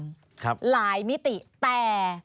หลายมิติแต่